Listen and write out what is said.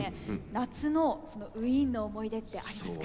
夏のウィーンの思い出ってありますか？